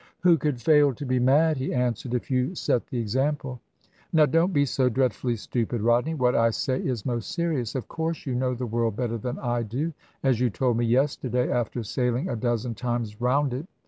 "Who could fail to be mad," he answered, "if you set the example?" "Now, don't be so dreadfully stupid, Rodney. What I say is most serious. Of course you know the world better than I do, as you told me yesterday, after sailing a dozen times round it.